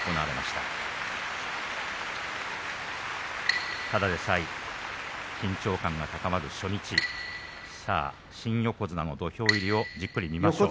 ただでさえ緊張感が高まる初日新横綱の土俵入りをじっくり見ましょう。